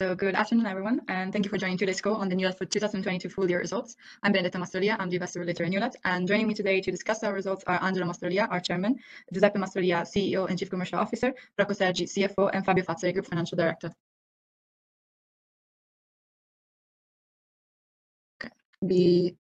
Good afternoon, everyone, and thank you for joining today's call on the Newlat for 2022 full year results. I'm Benedetta Mastrolia, I'm the investor relator in Newlat, joining me today to discuss our results are Angelo Mastrolia, our Chairman, Giuseppe Mastrolia, CEO and Chief Commercial Officer, Rocco Sergi, CFO, and Fabio Fazzari, Group Financial Director. Apologies.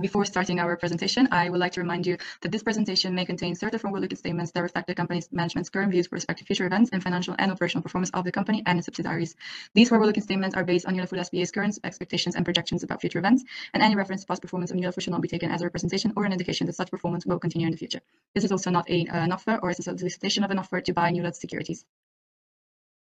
Before starting our presentation, I would like to remind you that this presentation may contain certain forward-looking statements that reflect the company's management's current views with respect to future events and financial and operational performance of the company and its subsidiaries. These forward-looking statements are based on Newlat S.p.A.'s current expectations and projections about future events, any reference to past performance ofNewlat shall not be taken as a representation or an indication that such performance will continue in the future. This is also not a, an offer or a solicitation of an offer to buy Newlat's securities.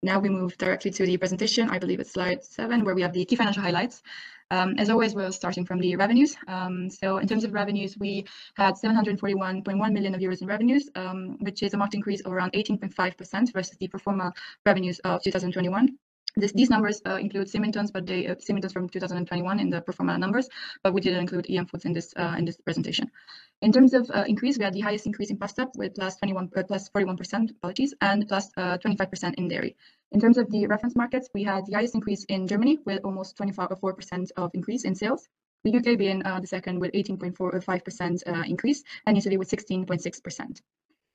We move directly to the presentation. I believe it's Slide 7, where we have the key financial highlights. As always, we're starting from the revenues. In terms of revenues, we had 741.1 million euros in revenues, which is a marked increase of around 18.5% versus the pro forma revenues of 2021. These numbers include Symington's, but they, Symington's from 2021 in the pro forma numbers, but we didn't include EM Foods in this presentation. In terms of increase, we had the highest increase in pasta with +41%, apologies, and +25% in dairy. In terms of the reference markets, we had the highest increase in Germany with almost 24.4% of increase in sales. The U.K. being the second with 18.5% increase, and Italy with 16.6%.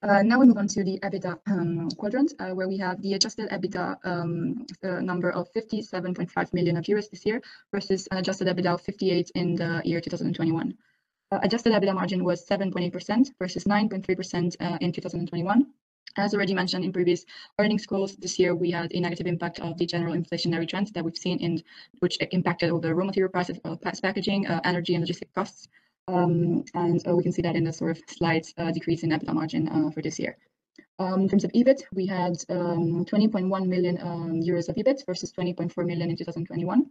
Now we move on to the EBITDA quadrant where we have the adjusted EBITDA number of 57.5 million euros this year, versus adjusted EBITDA of 58 million in 2021. Adjusted EBITDA margin was 7.8% versus 9.3% in 2021. As already mentioned in previous earnings calls, this year we had a negative impact of the general inflationary trends that we've seen in which impacted all the raw material prices, plus packaging, energy and logistic costs. We can see that in the sort of slight decrease in EBITDA margin for this year. In terms of EBIT, we had 20.1 million euros of EBIT versus 20.4 million in 2021.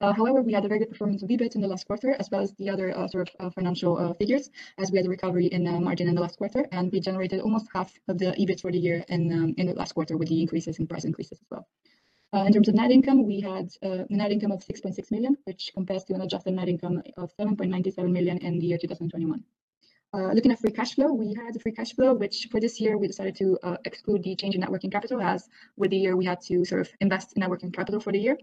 However, we had a very good performance of EBIT in the last quarter, as well as the other sort of financial figures, as we had a recovery in margin in the last quarter, and we generated almost half of the EBIT for the year in the last quarter with the increases and price increases as well. In terms of net income, we had net income of 6.6 million, which compares to an adjusted net income of 7.97 million in the year 2021. Looking at free cash flow, we had free cash flow, which for this year we decided to exclude the change in net working capital, as with the year we had to sort of invest in net working capital for the year.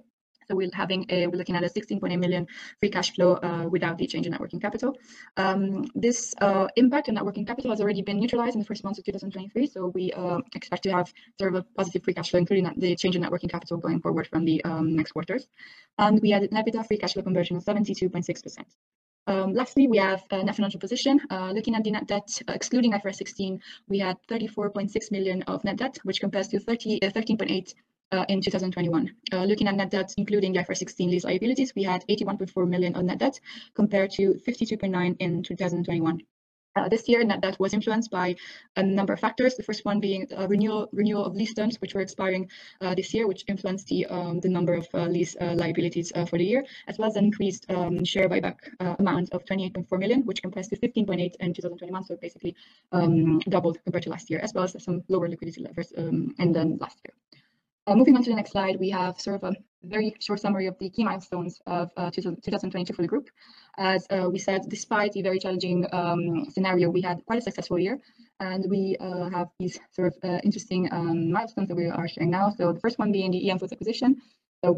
We're looking at a 16.8 million free cash flow, without the change in net working capital. This impact in net working capital has already been neutralized in the first months of 2023, so we expect to have sort of a positive free cash flow, including the change in net working capital going forward from the next quarters. We had an EBITDA free cash flow conversion of 72.6%. Lastly, we have net financial position. Looking at the net debt, excluding IFRS 16, we had 34.6 million of net debt, which compares to 13.8 million in 2021. Looking at net debt, including the IFRS 16 lease liabilities, we had 81.4 million on net debt compared to 52.9 million in 2021. This year net debt was influenced by a number of factors. The first one being renewal of lease terms, which were expiring this year, which influenced the number of lease liabilities for the year, as well as an increased share buyback amount of 28.4 million, which compares to 15.8 million in 2021. Basically, doubled compared to last year, as well as some lower liquidity levers ended last year. Moving on to the next slide, we have sort of a very short summary of the key milestones of 2022 for the group. As we said, despite the very challenging scenario, we had quite a successful year, and we have these sort of interesting milestones that we are sharing now. The first one being the EM Foods acquisition.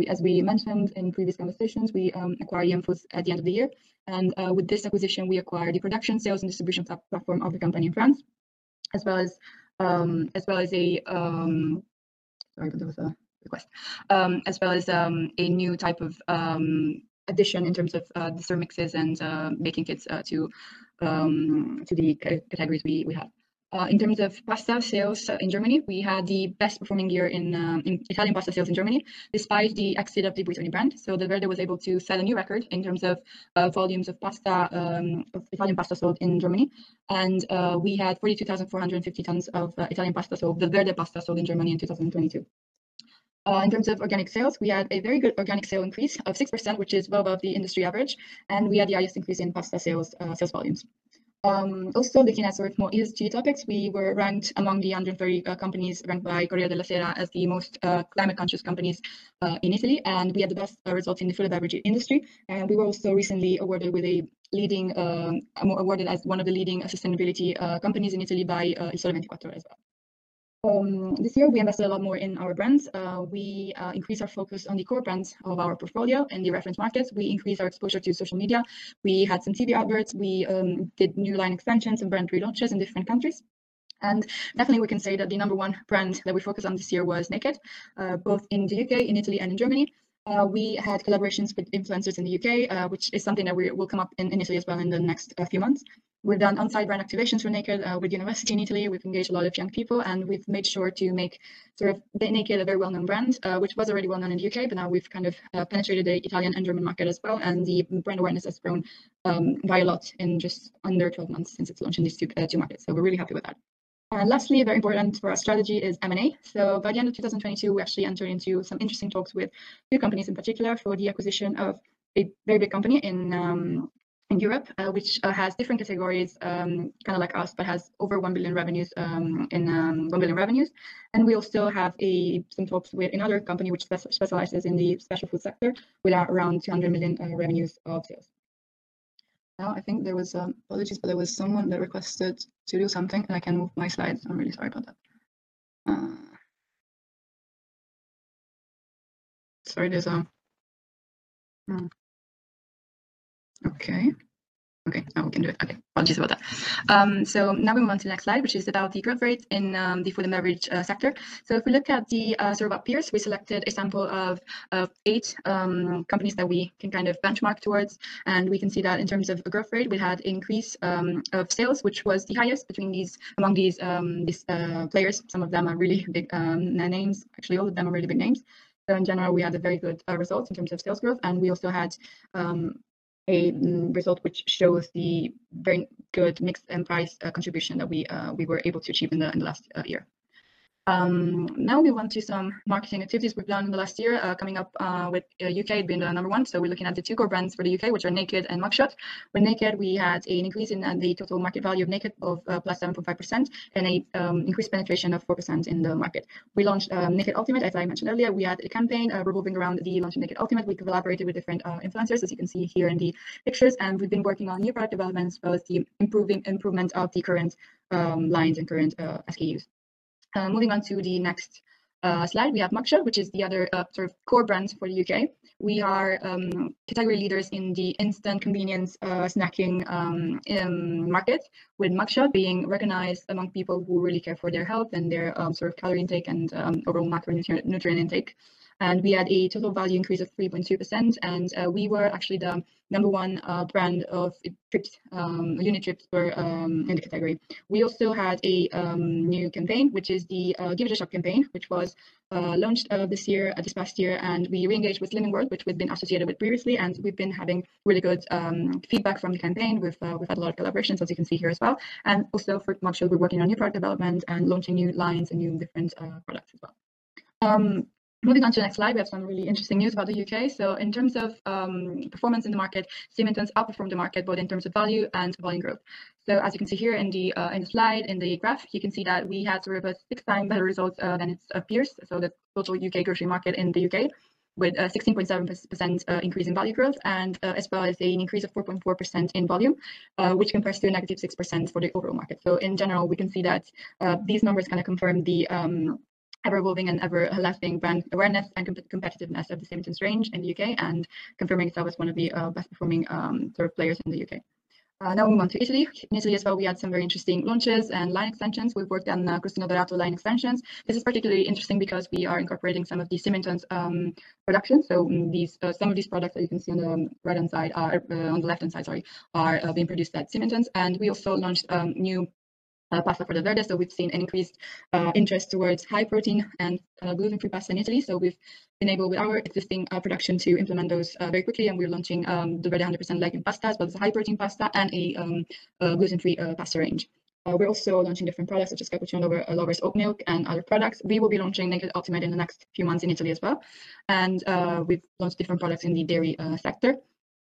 As we mentioned in previous conversations, we acquired EM Foods at the end of the year. With this acquisition, we acquired the production, sales, and distribution platform of the company in France, as well as well as a. Sorry about those requests. As well as a new type of addition in terms of dessert mixes and baking kits to the categories we have. In terms of pasta sales in Germany, we had the best performing year in Italian pasta sales in Germany despite the exit of the Buitoni brand. Delverde was able to set a new record in terms of volumes of pasta of Italian pasta sold in Germany. We had 42,450 tons of Italian pasta sold, Delverde pasta sold in Germany in 2022. In terms of organic sales, we had a very good organic sale increase of 6%, which is well above the industry average, and we had the highest increase in pasta sales sales volumes. Also looking at sort of more ESG topics, we were ranked among the under 30 companies ranked by Corriere della Sera as the most climate-conscious companies in Italy, and we had the best results in the food and beverage industry. We were also recently awarded with a leading, or awarded as one of the leading sustainability companies in Italy by Il Sole 24 Ore as well. This year we invested a lot more in our brands. We increased our focus on the core brands of our portfolio in the reference markets. We increased our exposure to social media. We had some TV adverts. We did new line expansions and brand relaunches in different countries. Definitely we can say that the Number 1 brand that we focused on this year was Naked, both in the UK, in Italy, and in Germany. We had collaborations with influencers in the UK, which is something that will come up in Italy as well in the next few months. We've done on-site brand activations for Naked, with university in Italy. We've engaged a lot of young people, and we've made sure to make sort of the Naked a very well-known brand, which was already well-known in the UK, but now we've kind of penetrated the Italian and German market as well, and the brand awareness has grown by a lot in just under 12 months since its launch in these two markets. We're really happy with that. Lastly, very important for our strategy is M&A. By the end of 2022, we actually entered into some interesting talks with a few companies in particular for the acquisition of a very big company in Europe, which has different categories, kind of like us, but has over 1 billion revenues, in 1 billion revenues. We also have some talks with another company which specializes in the special food sector with around 200 million revenues of sales. Now, I think there was Apologies, there was someone that requested to do something, and I can move my slide. I'm really sorry about that. Sorry, there's Okay. Okay, now we can do it. Okay. Apologies about that. Now we move on to the next slide, which is about the growth rate in the food and beverage sector. If we look at the sort of our peers, we selected a sample of eight companies that we can kind of benchmark towards, and we can see that in terms of the growth rate, we had increase of sales, which was the highest among these players. Some of them are really big names. Actually, all of them are really big names. In general, we had a very good result in terms of sales growth, and we also had a result which shows the very good mix and price contribution that we were able to achieve in the last year. Now we move on to some marketing activities we've done in the last year, coming up with UK being the Number 1. We're looking at the two core brands for the UK, which are Naked and Mug Shot. With Naked, we had an increase in the total market value of Naked of +7.5% and an increased penetration of 4% in the market. We launched Naked Ultimate. As I mentioned earlier, we had a campaign revolving around the launch of Naked Ultimate. We collaborated with different influencers, as you can see here in the pictures, and we've been working on new product development as well as the improvement of the current lines and current SKUs. Moving on to the next slide, we have Mug Shot, which is the other sort of core brand for the UK. We are category leaders in the instant convenience snacking market, with Mug Shot being recognized among people who really care for their health and their sort of calorie intake and overall micronutrient intake. We had a total value increase of 3.2%, we were actually the Number 1 brand of trips, unit trips for in the category. We also had a new campaign, which is the Give It a Shot campaign, which was launched this year, this past year. We re-engaged with Living World, which we've been associated with previously, and we've been having really good feedback from the campaign. We've had a lot of collaborations, as you can see here as well. Also for Mug Shot, we're working on new product development and launching new lines and new different products as well. Moving on to the next slide, we have some really interesting news about the UK. In terms of performance in the market, Symington's outperformed the market both in terms of value and volume growth. As you can see here in the slide, in the graph, you can see that we had sort of a 6x better results than its peers, the total UK grocery market in the UK, with a 16.7% increase in value growth and as well as an increase of 4.4% in volume, which compares to a -6% for the overall market. In general, we can see that these numbers kinda confirm the ever-evolving and ever-lasting brand awareness and competitiveness of the Symington's range in the UK and confirming itself as one of the best-performing sort of players in the UK. Now we move on to Italy. In Italy as well, we had some very interesting launches and line extensions. We've worked on the Cristiano Donato line extensions. This is particularly interesting because we are incorporating some of the Symington's production. These, some of these products that you can see on the right-hand side are on the left-hand side, sorry, are being produced at Symington's. We also launched new pasta for Delverde. We've seen an increased interest towards high protein and gluten-free pasta in Italy. We've enabled with our existing production to implement those very quickly, and we're launching the Delverde 100% legume pastas, both the high-protein pasta and a gluten-free pasta range. We're also launching different products such as Cappuccino Lovers, a Lover's Oat Milk, and other products. We will be launching Naked Ultimate in the next few months in Italy as well. We've launched different products in the dairy sector.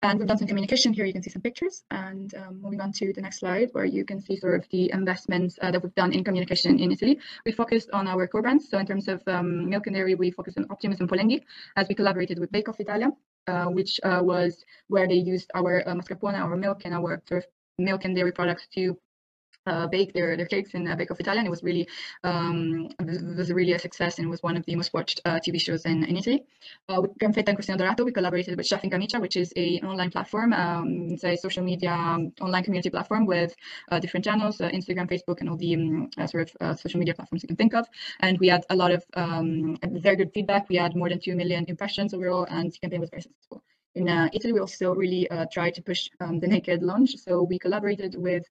We've done some communication here. You can see some pictures. Moving on to the next slide, where you can see sort of the investments that we've done in communication in Italy. We focused on our core brands. In terms of milk and dairy, we focused on Optimus and Polenghi, as we collaborated with Bake Off Italia, which was where they used our mascarpone, our milk, and our sort of milk and dairy products to bake their cakes in Bake Off Italia, and it was really this was really a success and was one of the most-watched TV shows in Italy. With Gran feta and Cristiano Donato, we collaborated with Chef in Camicia, which is a online platform. It's a social media online community platform with different channels, Instagram, Facebook, and all the sort of social media platforms you can think of. We had a lot of very good feedback. We had more than 2 million impressions overall, and the campaign was very successful. In Italy, we also really tried to push the Naked launch. We collaborated with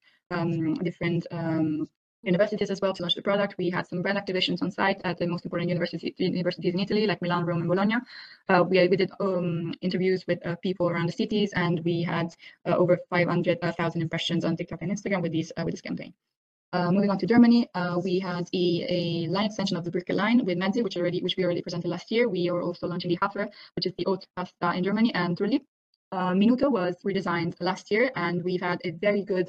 different universities as well to launch the product. We had some brand activations on site at the most important universities in Italy, like Milan, Rome, and Bologna. We did interviews with people around the cities, and we had over 500,000 impressions on TikTok and Instagram with this campaign. Moving on to Germany, we had a line extension of the Birkel line with Menzi, which we already presented last year. We are also launching the Hafer, which is the oat pasta in Germany. Really, Minuto was redesigned last year, and we've had a very, very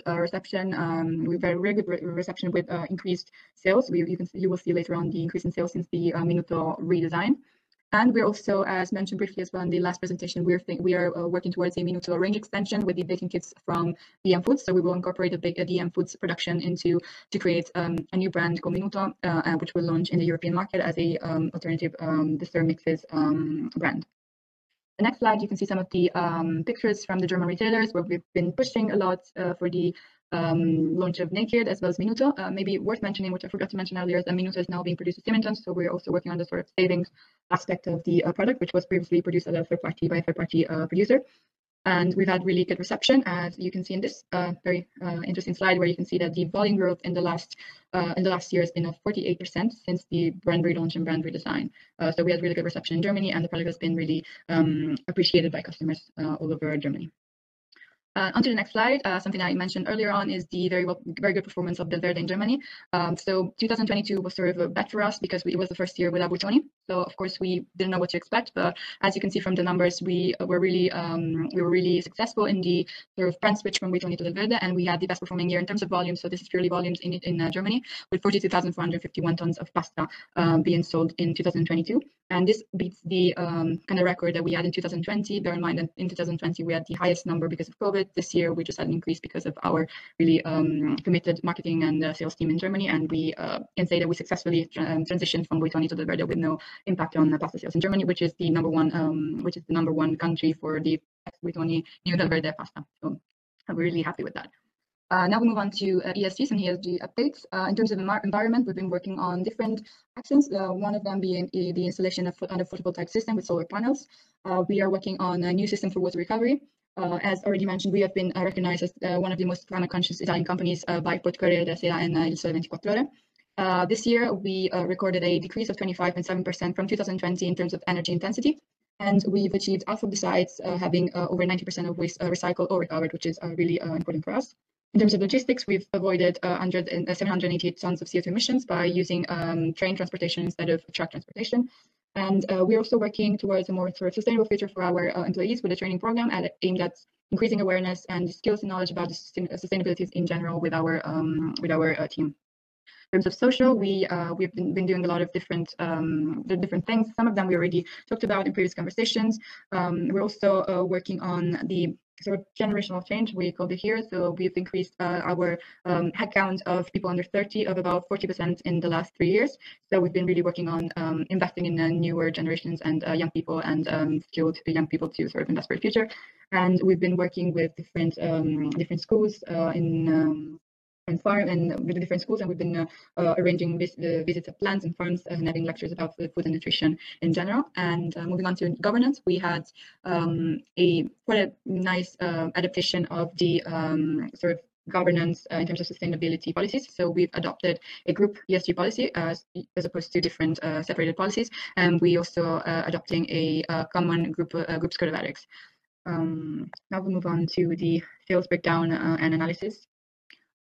good reception with increased sales. We, you can, you will see later on the increase in sales since the Minuto redesign. we're also, as mentioned briefly as well in the last presentation, we are working towards a Minuto range extension with the baking kits from EM Foods. we will incorporate a big EM Foods production into to create a new brand called Minuto, which we'll launch in the European market as a alternative to their Mixiz brand. The next slide, you can see some of the pictures from the German retailers where we've been pushing a lot for the launch of Naked as well as Minuto. Maybe worth mentioning, which I forgot to mention earlier, is that Minuto is now being produced at Symington's, so we're also working on the sort of savings aspect of the product, which was previously produced at a third party, by a third party producer. We've had really good reception, as you can see in this very interesting slide where you can see that the volume growth in the last year has been of 48% since the brand relaunch and brand redesign. We had really good reception in Germany, and the product has been really appreciated by customers all over Germany. Onto the next slide, something I mentioned earlier on is the very well, very good performance of Delverde in Germany. 2022 was sort of a bet for us because we, it was the first year without Buitoni. Of course, we didn't know what to expect, but as you can see from the numbers, we were really, we were really successful in the sort of brand switch from Buitoni to Delverde, and we had the best performing year in terms of volume. This is purely volumes in Germany, with 42,451 tons of pasta being sold in 2022. This beats the kinda record that we had in 2020. Bear in mind that in 2020, we had the highest number because of COVID. This year, we just had an increase because of our really committed marketing and sales team in Germany. We can say that we successfully transitioned from Buitoni to Delverde with no impact on the pasta sales in Germany, which is the Number 1, which is the Number 1 country for the Buitoni new Delverde pasta. I'm really happy with that. Now we move on to ESGs and ESG updates. In terms of environment, we've been working on different actions. One of them being the installation on a photovoltaic system with solar panels. We are working on a new system for water recovery. As already mentioned, we have been recognized as one of the most planet-conscious Italian companies by Portogruaro, Desia, and Il Sole 24 Ore. This year, we recorded a decrease of 25.7% from 2020 in terms of energy intensity, and we've achieved also, besides having over 90% of waste recycled or recovered, which is really important for us. In terms of logistics, we've avoided 780 tons of CO2 emissions by using train transportation instead of truck transportation. We're also working towards a more sort of sustainable future for our employees with a training program aimed at increasing awareness and skills and knowledge about sustainability in general with our team. In terms of social, we've been doing a lot of different things. Some of them we already talked about in previous conversations. We're also working on the sort of generational change we called it here. We've increased our headcount of people under 30 of about 40% in the last three years. We've been really working on investing in the newer generations and young people and skill to the young people to sort of invest for the future. We've been working with different different schools in in farm and with the different schools, and we've been arranging visits of plants and farms and having lectures about food and nutrition in general. Moving on to governance. We had a quite a nice adaptation of the sort of governance in terms of sustainability policies. We've adopted a group ESG policy as opposed to different separated policies, and we're also adopting a common group code of ethics. Now we move on to the sales breakdown and analysis.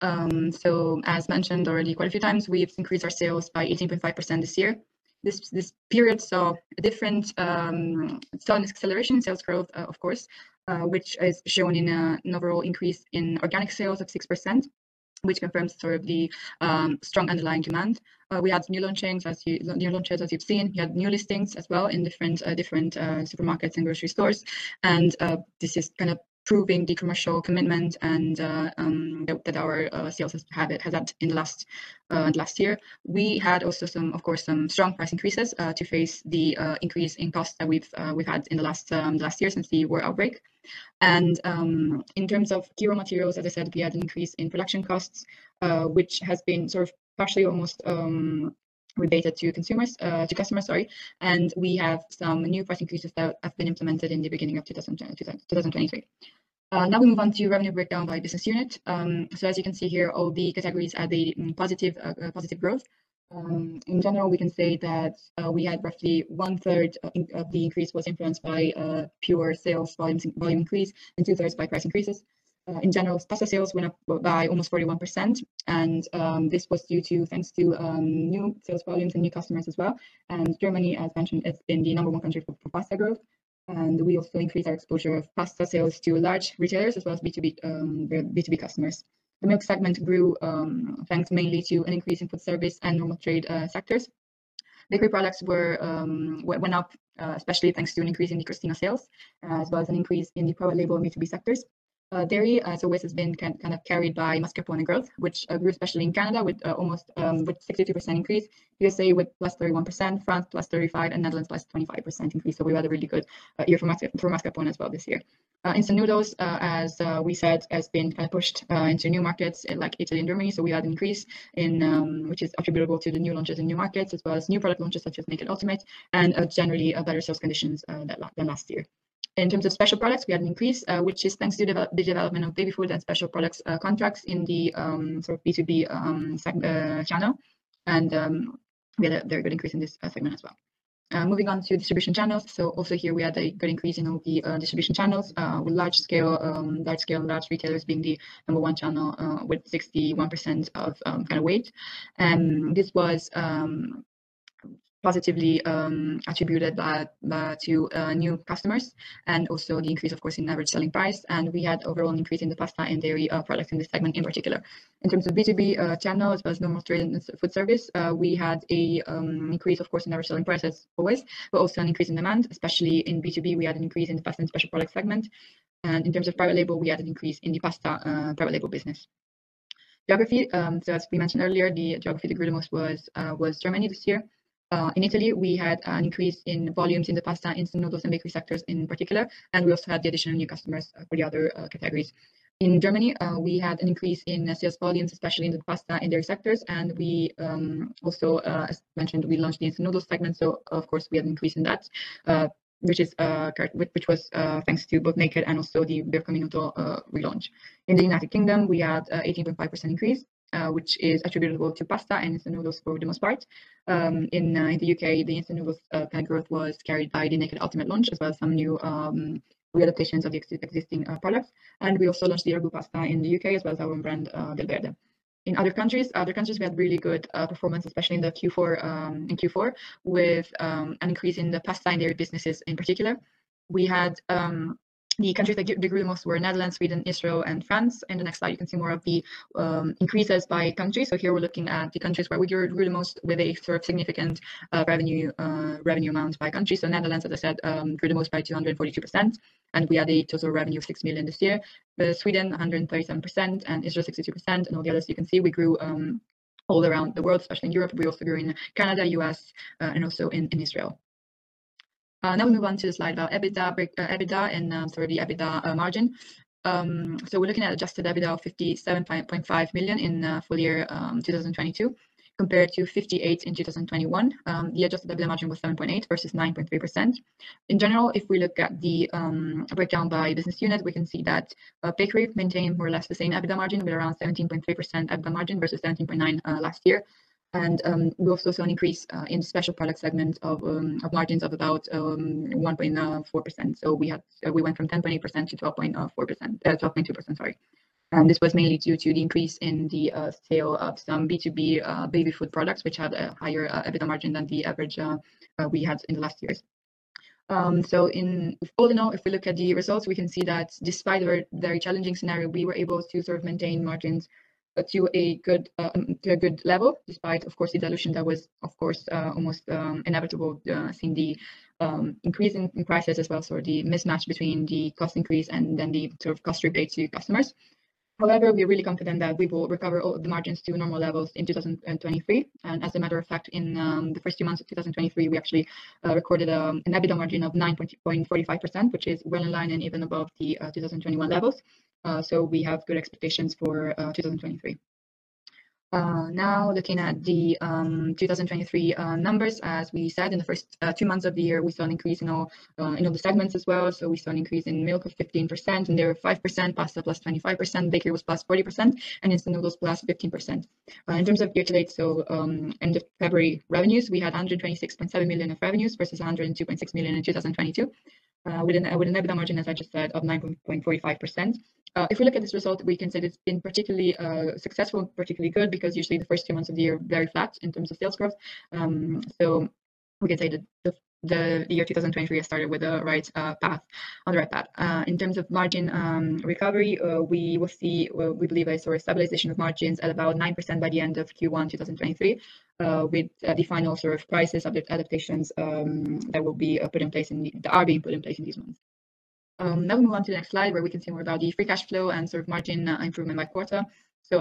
As mentioned already quite a few times, we've increased our sales by 18.5% this year. This period saw a different strong acceleration in sales growth, of course, which is shown in an overall increase in organic sales of 6%, which confirms sort of the strong underlying demand. We had new launches as you've seen. We had new listings as well in different supermarkets and grocery stores. This is kind of proving the commercial commitment and that our sales has had in the last year. We had also some, of course, some strong price increases to face the increase in costs that we've had in the last year since the war outbreak. In terms of key raw materials, as I said, we had an increase in production costs, which has been sort of partially almost rebated to consumers, to customers, sorry, and we have some new price increases that have been implemented in the beginning of 2020, 2023. Now we move on to revenue breakdown by business unit. As you can see here, all the categories had a positive growth. In general, we can say that we had roughly 1/3 of the increase was influenced by pure sales volume increase and 2/3 by price increases. In general, pasta sales went up by almost 41%, and this was thanks to new sales volumes and new customers as well. Germany, as mentioned, has been the Number 1 country for pasta growth, and we also increased our exposure of pasta sales to large retailers as well as B2B customers. The milk segment grew thanks mainly to an increase in food service and normal trade sectors. Bakery products went up especially thanks to an increase in the Cristiano Donato sales as well as an increase in the private label and B2B sectors. Dairy, as always, has been kind of carried by mascarpone growth, which grew especially in Canada with 62% increase. USA with +31%, France +35%, and Netherlands +25% increase. We had a really good year for mascarpone as well this year. Instant noodles, as we said, has been kind of pushed into new markets like Italy and Germany. We had an increase in which is attributable to the new launches in new markets as well as new product launches such as Naked Ultimate and generally better sales conditions than last year. In terms of special products, we had an increase, which is thanks to the development of dairy food and special products contracts in the sort of B2B channel. We had a very good increase in this segment as well. Moving on to distribution channels. Also here we had a good increase in all the distribution channels with large scale, large retailers being the Number 1 channel with 61% of kind of weight. This was positively attributed to new customers and also the increase, of course, in average selling price. We had overall an increase in the pasta and dairy products in this segment in particular. In terms of B2B channels as well as normal trade and food service, we had an increase, of course, in average selling price as always, but also an increase in demand, especially in B2B, we had an increase in the pasta and special product segment. In terms of private label, we had an increase in the pasta private label business. Geography. As we mentioned earlier, the geography that grew the most was Germany this year. In Italy, we had an increase in volumes in the pasta, instant noodles, and bakery sectors in particular, and we also had the addition of new customers for the other categories. In Germany, we had an increase in sales volumes, especially in the pasta and dairy sectors. We also, as mentioned, we launched the instant noodles segment, so of course, we had an increase in that, which was thanks to both Naked and also the Barilla Communo relaunch. In the United Kingdom, we had 18.5% increase, which is attributable to pasta and instant noodles for the most part. In the UK, the instant noodles kind of growth was carried by the Naked Ultimate launch, as well as some new reallocations of the existing products. We also launched the Erbu pasta in the UK, as well as our own brand, Belverde. In other countries, we had really good performance, especially in the Q4, in Q4, with an increase in the pasta and dairy businesses in particular. We had the countries that grew the most were Netherlands, Sweden, Israel, and France. In the next slide, you can see more of the increases by country. Here we're looking at the countries where we grew the most with a sort of significant revenue amount by country. Netherlands, as I said, grew the most by 242%, and we had a total revenue of 6 million this year. Sweden, 137%, and Israel, 62%, and all the others you can see. We grew all around the world, especially in Europe. We also grew in Canada, U.S., and also in Israel. Now we move on to the slide about EBITDA, and sorry, the EBITDA margin. We're looking at adjusted EBITDA of 57.5 million in full year 2022 compared to 58 million in 2021. The adjusted EBITDA margin was 7.8% versus 9.3%. In general, if we look at the breakdown by business unit, we can see that bakery maintained more or less the same EBITDA margin with around 17.3% EBITDA margin versus 17.9% last year. We also saw an increase in special product segments of margins of about 1.4%. We went from 10.8%-12.4%, 12.2%, sorry. This was mainly due to the increase in the sale of some B2B baby food products, which had a higher EBITDA margin than the average we had in the last years. All in all, if we look at the results, we can see that despite a very challenging scenario, we were able to sort of maintain margins to a good level, despite, of course, the dilution that was, of course, almost inevitable, seeing the increase in prices as well, so the mismatch between the cost increase and then the sort of cost rebate to customers. However, we're really confident that we will recover all the margins to normal levels in 2023. As a matter of fact, in the first two months of 2023, we actually recorded an EBITDA margin of 9.45%, which is well in line and even above the 2021 levels. We have good expectations for 2023. Looking at the 2023 numbers, as we said, in the first two months of the year, we saw an increase in all the segments as well. We saw an increase in milk of 15%, in dairy 5%, pasta +25%, bakery was +40%, and instant noodles +15%. In terms of year-to-date, end of February revenues, we had 126.7 million of revenues versus 102.6 million in 2022. With an EBITDA margin, as I just said, of 9.45%. If we look at this result, we can say it's been particularly successful and particularly good because usually the first two months of the year are very flat in terms of sales growth. We can say that the year 2023 has started on the right path. In terms of margin recovery, we will see, or we believe I saw a stabilization of margins at about 9% by the end of Q1 2023, with the final sort of prices adaptations that are being put in place in these months. We move on to the next slide where we can see more about the free cash flow and sort of margin improvement by quarter.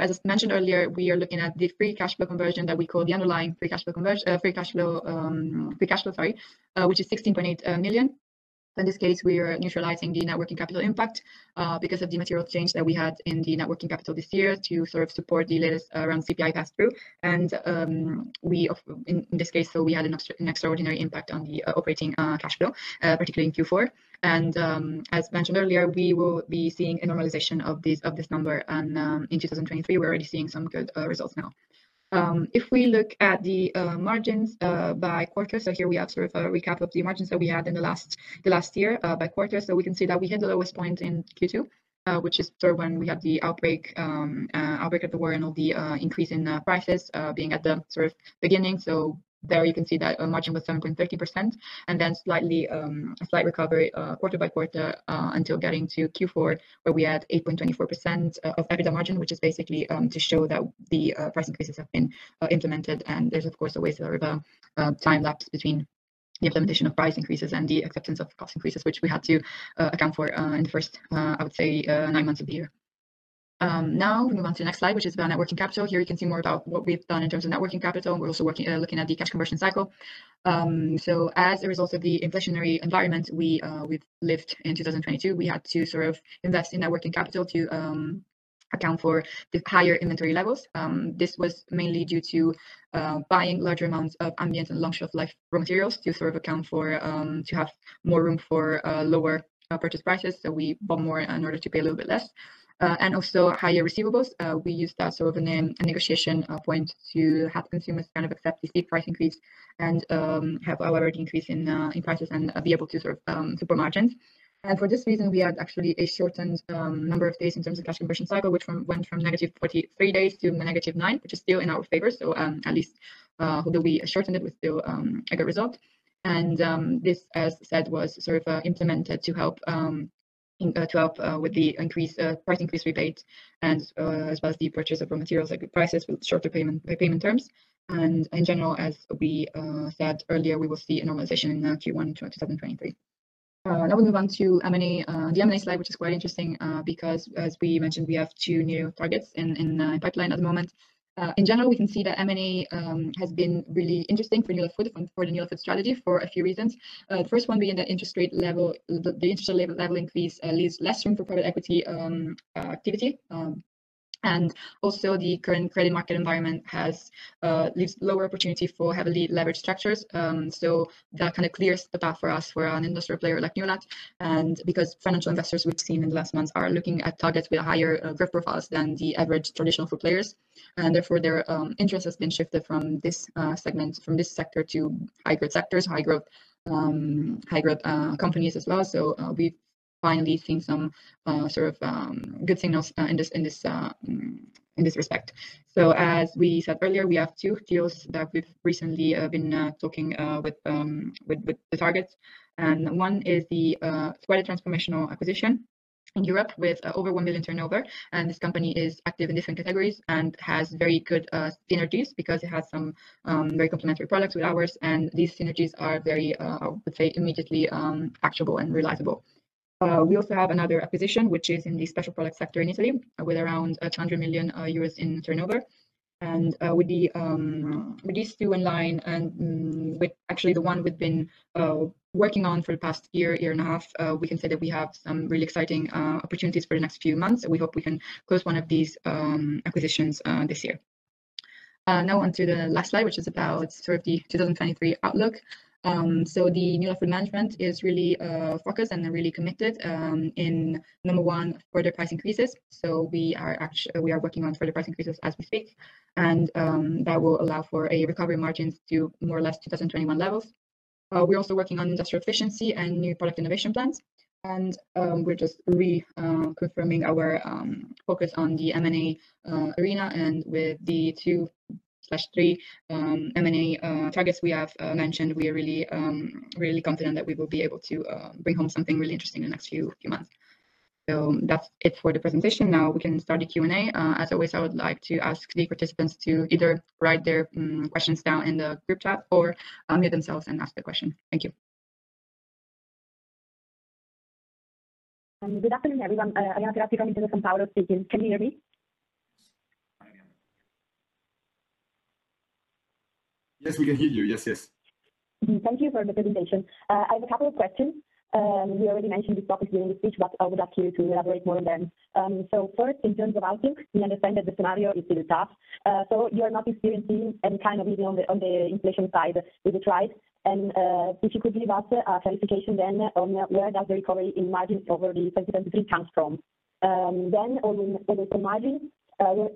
As mentioned earlier, we are looking at the free cash flow conversion that we call the underlying free cash flow conversion free cash flow, sorry, which is 16.8 million. In this case, we are neutralizing the net working capital impact because of the material change that we had in the net working capital this year to sort of support the latest around CPI passthrough. In this case, we had an extraordinary impact on the operating cash flow, particularly in Q4. As mentioned earlier, we will be seeing a normalization of this number. In 2023, we're already seeing some good results now. If we look at the margins by quarter, here we have sort of a recap of the margins that we had in the last year by quarter. We can see that we hit the lowest point in Q2, which is sort of when we had the outbreak of the war and all the increase in prices being at the sort of beginning. There you can see that our margin was 7.30%. Slightly a slight recovery quarter-by-quarter until getting to Q4, where we had 8.24% of EBITDA margin, which is basically to show that the price increases have been implemented. There's, of course, always sort of a time lapse between the implementation of price increases and the acceptance of cost increases, which we had to account for in the first, I would say, nine months of the year. Now we move on to the next slide, which is about net working capital. Here you can see more about what we've done in terms of net working capital. We're also looking at the cash conversion cycle. As a result of the inflationary environment we've lived in 2022, we had to sort of invest in net working capital to account for the higher inventory levels. This was mainly due to buying larger amounts of ambient and long shelf life raw materials to account for to have more room for lower purchase prices. We bought more in order to pay a little bit less. Also higher receivables. We used that a negotiation point to have consumers accept the steep price increase and have our already increase in prices and be able to support margins. For this reason, we had a shortened number of days in terms of cash conversion cycle, which went from -43 days to -9 days, which is still in our favor. At least, although we shortened it, we're still a good result. This, as said, was sort of implemented to help with the increase price increase rebate and as well as the purchase of raw materials like prices with shorter payment terms. In general, as we said earlier, we will see a normalization in Q1 2023. Now we move on to M&A, the M&A slide, which is quite interesting because as we mentioned, we have two new targets in the pipeline at the moment. In general, we can see that M&A has been really interesting for the Newlat Food strategy for a few reasons. The first one being the interest rate level increase leaves less room for private equity activity. The current credit market environment has leaves lower opportunity for heavily leveraged structures. That kind of clears the path for us. We're an industrial player like Newlat. Because financial investors we've seen in the last months are looking at targets with higher growth profiles than the average traditional food players. Therefore, their interest has been shifted from this segment, from this sector to high growth sectors, high growth companies as well. We've finally seen some sort of good signals in this respect. As we said earlier, we have two deals that we've recently been talking with the targets. One is the it's quite a transformational acquisition in Europe with over 1 billion turnover. This company is active in different categories and has very good synergies because it has some very complementary products with ours. These synergies are very, I would say, immediately actionable and realizable. We also have another acquisition, which is in the special product sector in Italy with around 100 million euros in turnover. With these two in line and the one we've been working on for the past 1.5 years, we can say that we have some really exciting opportunities for the next few months, and we hope we can close one of these acquisitions this year. Now on to the last slide, which is about sort of the 2023 outlook. The Newlat Food management is really focused and really committed further price increases. We are working on further price increases as we speak, that will allow for a recovery margins to more or less 2021 levels. We're also working on industrial efficiency and new product innovation plans. We're just confirming our focus on the M&A arena. With the 2/3 M&A targets we have mentioned, we are really confident that we will be able to bring home something really interesting in the next few months. That's it for the presentation. Now we can start the Q&A. As always, I would like to ask the participants to either write their questions down in the group chat or unmute themselves and ask the question. Thank you. Good afternoon, everyone. Arianna Terzulli from Intesa Sanpaolo speaking. Can you hear me? Yes, we can hear you. Yes, yes. Thank you for the presentation. I have a couple of questions. You already mentioned this topic during the speech, but I would ask you to elaborate more on them. First, in terms of outlook, we understand that the scenario is really tough. You are not experiencing any kind of relief on the, on the inflation side with the tribes. If you could give us a clarification then on where does the recovery in margin over 2023 comes from. On the margin,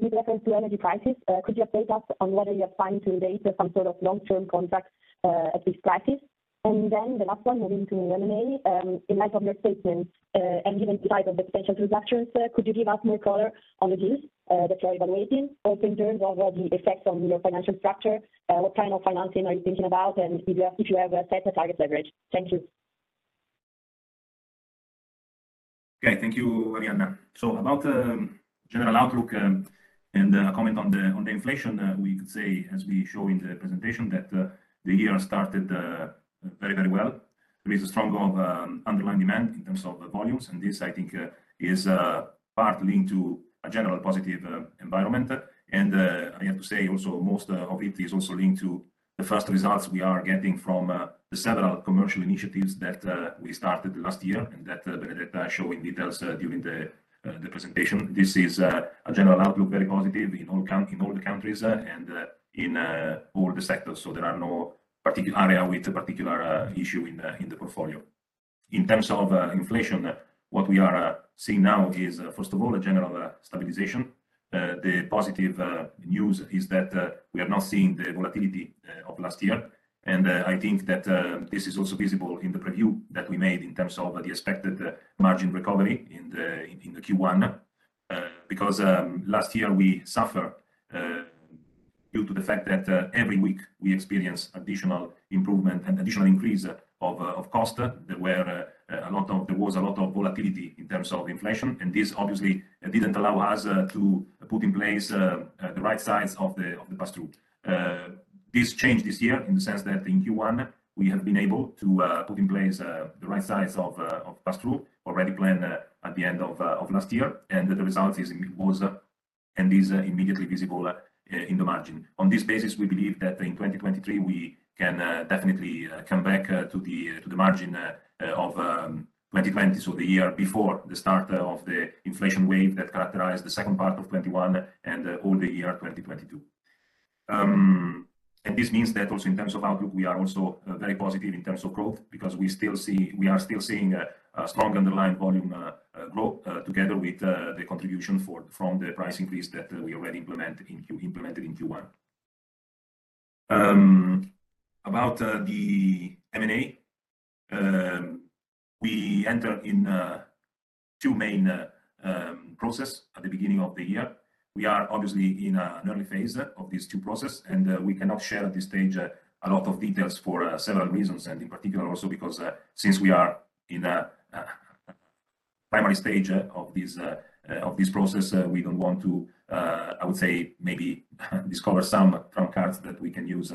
with reference to energy prices, could you update us on whether you're signed to date some sort of long-term contract at these prices? The last one moving to M&A. In light of your statements, and given the size of the potential transactions, could you give us more color on the deals that you are evaluating? Also in terms of what the effects on your financial structure, what kind of financing are you thinking about? If you have a set target leverage. Thank you. Okay. Thank you, Arianna. About the general outlook, and a comment on the, on the inflation, we could say as we show in the presentation, that the year started very, very well. There is a strong underlying demand in terms of the volumes, and this I think is partly into a general positive environment. I have to say also most of it is also linked to the first results we are getting from the several commercial initiatives that we started last year and that Benedetta show in details during the presentation. This is a general outlook, very positive in all the countries and in all the sectors. There are no particular area with a particular issue in the portfolio. In terms of inflation, what we are seeing now is, first of all, a general stabilization. The positive news is that we are not seeing the volatility of last year. I think that this is also visible in the preview that we made in terms of the expected margin recovery in the Q1. Because last year we suffer due to the fact that every week we experience additional improvement and additional increase of cost. There was a lot of volatility in terms of inflation, and this obviously didn't allow us to put in place the right size of the pass-through. This changed this year in the sense that in Q1 we have been able to put in place the right size of pass-through already planned at the end of last year. The result is it was and is immediately visible in the margin. On this basis, we believe that in 2023 we can definitely come back to the margin of 2020, so the year before the start of the inflation wave that characterized the second part of 2021 and all the year 2022. This means that also in terms of outlook, we are also very positive in terms of growth because we still see. we are still seeing a strong underlying volume growth together with the contribution from the price increase that we already implemented in Q1. About the M&A, we enter in two main process at the beginning of the year. We are obviously in an early phase of these two process, and we cannot share at this stage a lot of details for several reasons. In particular also because since we are in a primary stage of this of this process, we don't want to I would say maybe discover some trump cards that we can use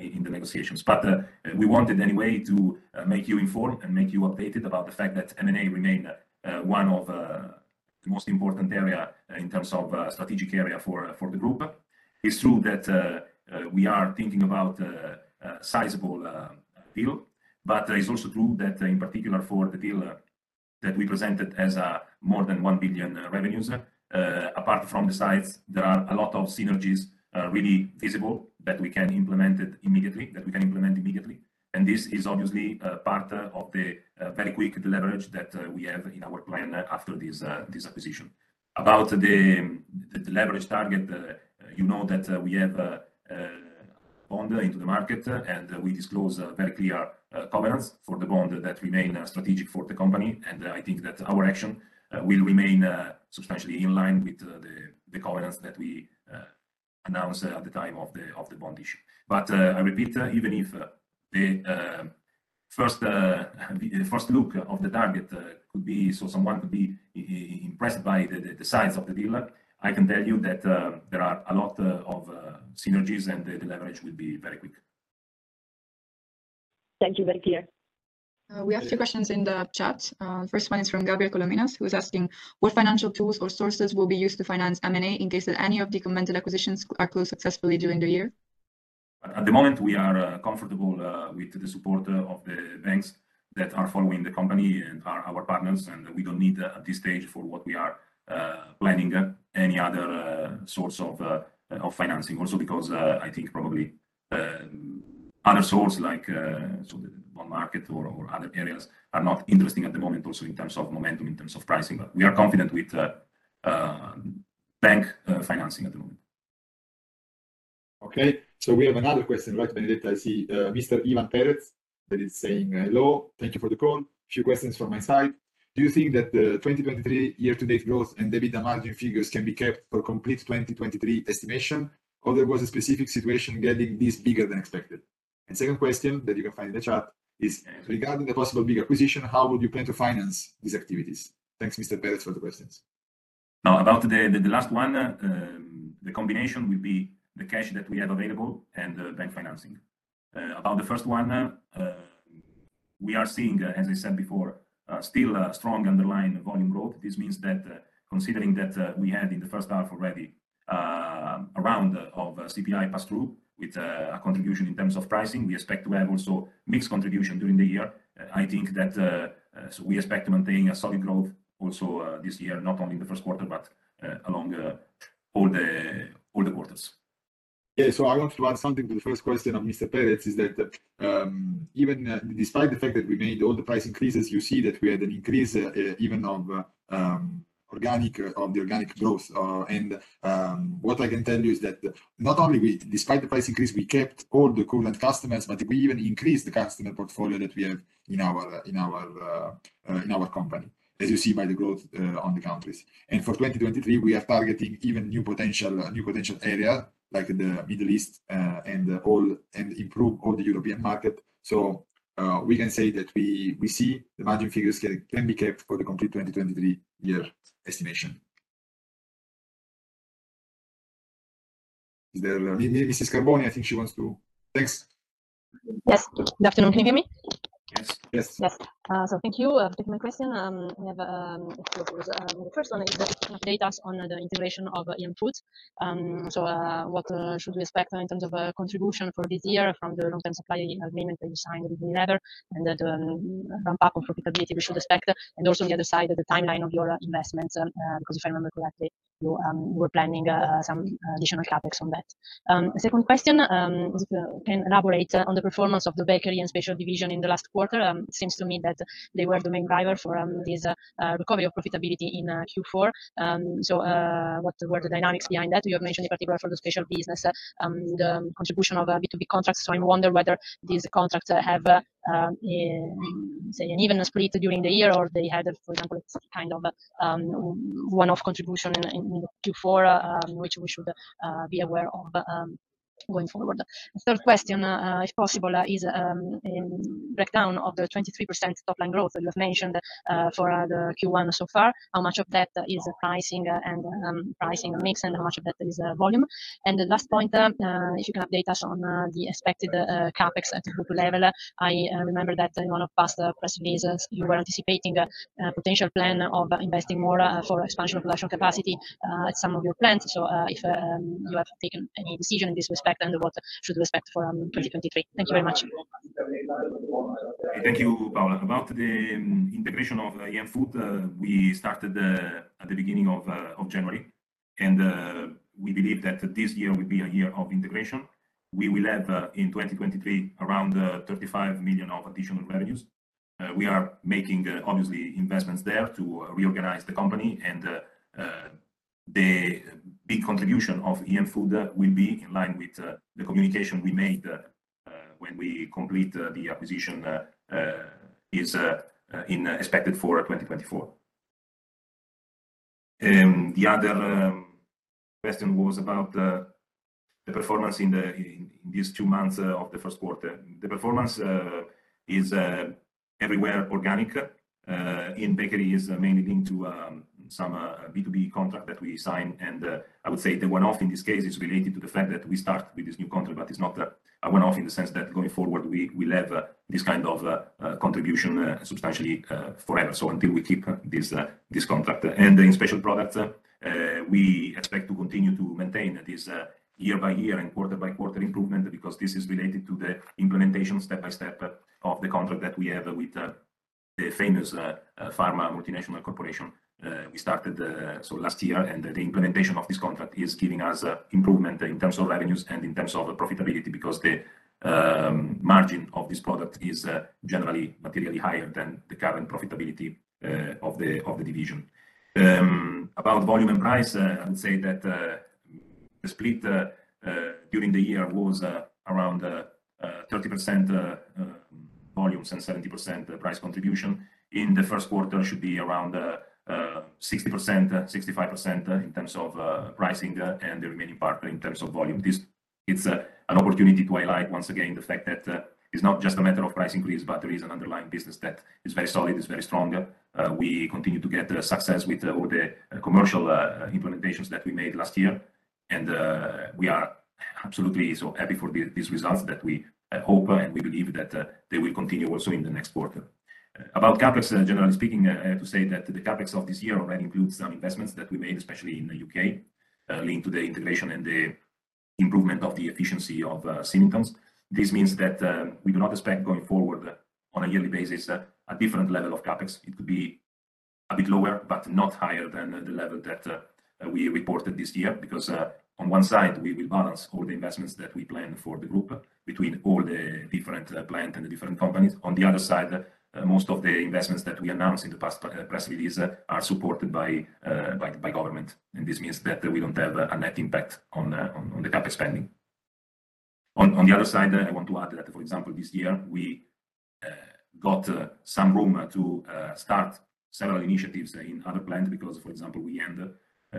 in the negotiations. We wanted anyway to make you informed and make you updated about the fact that M&A remain one of the most important area in terms of strategic area for the group. It's true that we are thinking about a sizable deal. It's also true that in particular for the deal that we presented as more than 1 billion revenues, apart from the size, there are a lot of synergies really visible that we can implement immediately. This is obviously a part of the very quick de leverage that we have in our plan after this acquisition. About the de leverage target, you know that we have a bond into the market, and we disclose a very clear covenants for the bond that remain strategic for the company. I think that our action will remain substantially in line with the covenants that we announced at the time of the bond issue. I repeat, even if the first look of the target could be, so someone could be impressed by the size of the deal, I can tell you that there are a lot of synergies, and the de leverage will be very quick. Thank you very clear. We have two questions in the chat. First one is from Gabriele Colasanto, who's asking: What financial tools or sources will be used to finance M&A in case that any of the commented acquisitions are closed successfully during the year? At the moment, we are comfortable with the support of the banks that are following the company and are our partners. We don't need, at this stage for what we are planning, any other source of financing, also because, I think probably, other source like the bond market or other areas are not interesting at the moment also in terms of momentum, in terms of pricing. We are confident with bank financing at the moment. We have another question, right, Benedetta? I see Mr. Ivan Ripepi that is saying, "Hello. Thank you for the call. Few questions from my side. Do you think that the 2023 year-to-date growth and EBITDA margin figures can be kept for complete 2023 estimation, or there was a specific situation getting this bigger than expected?" Second question that you can find in the chat is, "Regarding the possible big acquisition, how would you plan to finance these activities?" Thanks, Mr. Ripepi, for the questions. About the last one, the combination will be the cash that we have available and the bank financing. About the first one, we are seeing, as I said before, still a strong underlying volume growth. This means that, considering that, we had in the first half already a round of CPI passthrough with a contribution in terms of pricing, we expect to have also mixed contribution during the year. I think that we expect to maintain a solid growth also this year, not only in the first quarter, but along all the quarters. I want to add something to the first question of Mr. Ripepi is that even despite the fact that we made all the price increases, you see that we had an increase even of the organic growth. What I can tell you is that not only despite the price increase, we kept all the current customers, but we even increased the customer portfolio that we have in our company, as you see by the growth on the countries. For 2023, we are targeting even new potential area like the Middle East and improve all the European market. We can say that we see the margin figures can be kept for the complete 2023 year estimation. Is there Paola Carboni? Carboni, I think she wants to. Thanks. Yes. Good afternoon. Can you hear me? Yes. Yes. Yes. So thank you. I have two quick question. The first one is if you can update us on the integration of EM Foods. What should we expect in terms of contribution for this year from the long-term supply agreement that you signed with the vendor, and the ramp-up of profitability we should expect? Also on the other side, the timeline of your investments, because if I remember correctly, you were planning some additional CapEx on that. Second question, if you can elaborate on the performance of the bakery and special division in the last quarter. Seems to me that they were the main driver for this recovery of profitability in Q4. What were the dynamics behind that? You have mentioned in particular for the special business, the contribution of B2B contracts. I wonder whether these contracts have, say, an even split during the year or they had, for example, kind of one-off contribution in Q4, which we should be aware of going forward. Third question, if possible, is breakdown of the 23% top-line growth that you've mentioned for the Q1 so far. How much of that is pricing and pricing mix, and how much of that is volume? The last point, if you can update us on the expected CapEx at the group level. I remember that in one of past press releases, you were anticipating a potential plan of investing more for expansion of production capacity at some of your plants. If you have taken any decision in this respect, and what should we expect for 2023. Thank you very much. Thank you, Paola. About the integration of EM Food, we started at the beginning of January, and we believe that this year will be a year of integration. We will have in 2023, around 35 million of additional revenues. We are making obviously investments there to reorganize the company, and the big contribution of EM Food will be in line with the communication we made when we complete the acquisition, is expected for 2024. The other question was about the performance in these two months of the first quarter. The performance is everywhere organic. In bakery is mainly linked to some B2B contract that we signed, and I would say the one-off in this case is related to the fact that we start with this new contract, but it's not a one-off in the sense that going forward we will have this kind of contribution substantially forever. Until we keep this contract. In special products, we expect to continue to maintain this year-by-year and quarter-by-quarter improvement because this is related to the implementation step by step of the contract that we have with the famous pharma multinational corporation. We started last year, the implementation of this contract is giving us improvement in terms of revenues and in terms of profitability because the margin of this product is generally materially higher than the current profitability of the division. About volume and price, I would say that the split during the year was around 30% volumes and 70% price contribution. In the first quarter should be around 60%-65% in terms of pricing and the remaining part in terms of volume. This it's an opportunity to highlight once again the fact that it's not just a matter of price increase, but there is an underlying business that is very solid, it's very strong. We continue to get success with all the commercial implementations that we made last year. We are absolutely so happy for these results that we hope and we believe that they will continue also in the next quarter. About CapEx, generally speaking, I have to say that the CapEx of this year already includes some investments that we made, especially in the UK, linked to the integration and the improvement of the efficiency of Symington's. This means that we do not expect going forward on a yearly basis a different level of CapEx. It could be a bit lower, but not higher than the level that we reported this year. On one side we will balance all the investments that we plan for the group between all the different plant and the different companies. Most of the investments that we announced in the past press release are supported by government, and this means that we don't have a net impact on the CapEx spending. I want to add that, for example, this year we got some room to start several initiatives in other plants because, for example, we end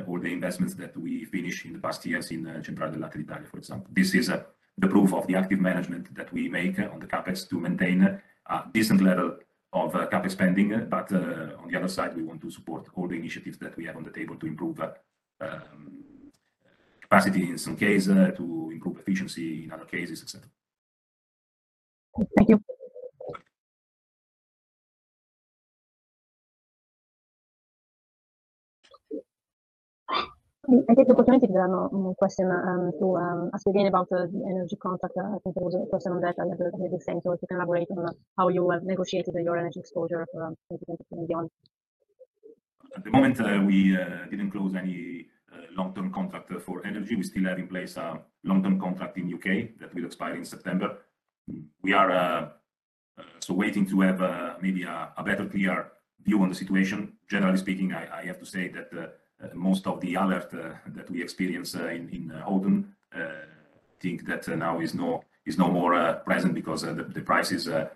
all the investments that we finished in the past years in Generale Latticini Italia, for example. This is the proof of the active management that we make on the CapEx to maintain a decent level of CapEx spending. On the other side, we want to support all the initiatives that we have on the table to improve capacity in some case, to improve efficiency in other cases, et cetera. Thank you. I think unfortunately there are no more question, to ask again about the energy contract. I think there was a question on that. I don't know if you have the same. If you can elaborate on how you have negotiated your energy exposure for, 2023 and beyond. At the moment, we didn't close any long-term contract for energy. We still have in place a long-term contract in UK that will expire in September. We are still waiting to have maybe a better clear view on the situation. Generally speaking, I have to say that most of the alert that we experienced in autumn think that now is no more present because the prices are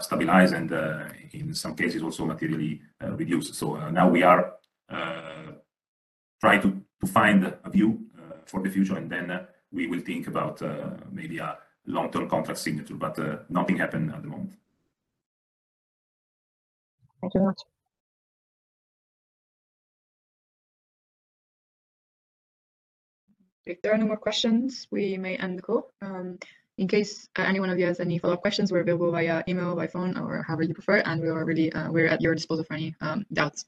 stabilized and in some cases also materially reduced. Now we are trying to find a view for the future, and then we will think about maybe a long-term contract signature, but nothing happened at the moment. Thank you very much. If there are no more questions, we may end the call. In case any one of you has any follow-up questions, we're available via email, by phone, or however you prefer, and we are really, we're at your disposal for any doubts.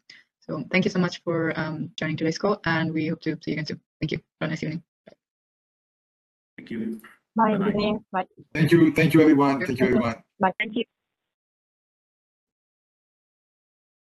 Thank you so much for joining today's call, and we hope to see you again soon. Thank you. Have a nice evening. Bye. Thank you. Bye, everyone. Bye. Thank you. Thank you, everyone. Thank you, everyone. Bye. Thank you.